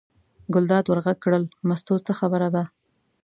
ګلداد ور غږ کړل: مستو څه خبره ده.